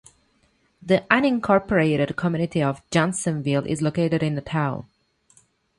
The unincorporated community of Johnsonville is located in the town.